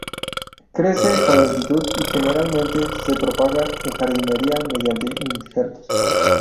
Crece con lentitud y generalmente se propaga en jardinería mediante injertos.